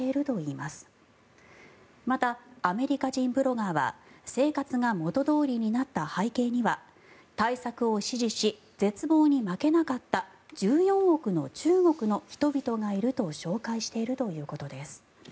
また、アメリカ人ブロガーは生活が元どおりになった背景には対策を支持し絶望に負けなかった１４億の中国の人々がいると紹介しているということです。